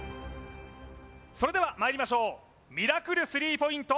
それではまいりましょうミラクル３ポイント